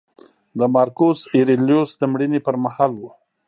د مارکوس اریلیوس د مړینې پرمهال و